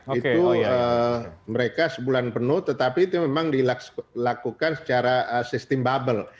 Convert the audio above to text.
itu mereka sebulan penuh tetapi itu memang dilakukan secara sistem bubble